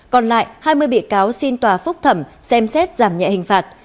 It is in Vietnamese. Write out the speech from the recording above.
còn lại hai mươi bị cáo xin tòa phúc thẩm xem xét giảm nhẹ hình phạt